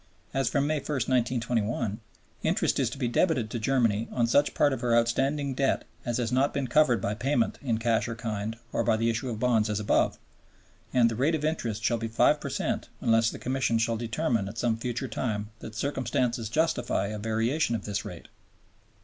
As from May 1, 1921, interest is to be debited to Germany on such part of her outstanding debt as has not been covered by payment in cash or kind or by the issue of bonds as above, and "the rate of interest shall be 5 per cent unless the Commission shall determine at some future time that circumstances justify a variation of this rate."